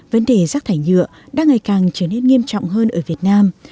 vấn đề rác thải nhựa đang ngày càng trở nên nghiêm trọng hơn ở việt nam